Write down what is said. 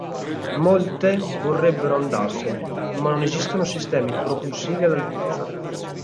Molte vorrebbero andarsene, ma non esistono sistemi propulsivi all'altezza.